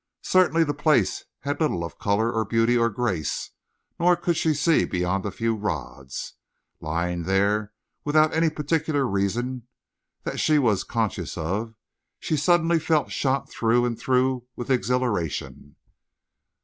Certainly the place had little of color or beauty or grace, nor could she see beyond a few rods. Lying there, without any particular reason that she was conscious of, she suddenly felt shot through and through with exhilaration.